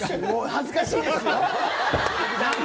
恥ずかしいですよ。